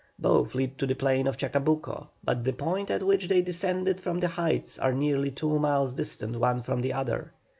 Both lead to the plain of Chacabuco, but the points at which they descend from the heights are nearly two miles distant one from the other.